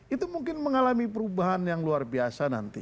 itu mungkin mengalami perubahan yang luar biasa nanti